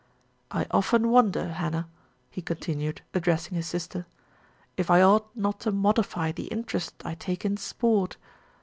I often wonder, Hannah," he continued, address ing his sister, "if I ought not to modify the interest I take in sport.